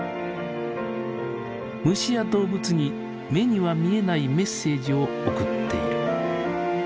虫や動物に目には見えないメッセージを送っている。